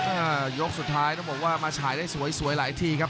ยกสุดท้ายต้องบอกว่ามาฉายได้สวยสวยหลายทีครับ